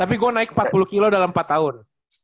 tapi gue naik empat puluh kilo dalam empat tahun